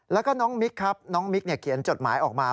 แล้วก็น้องมิคครับน้องมิคเขียนจดหมายออกมา